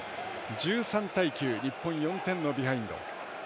１３対９、日本４点のビハインド。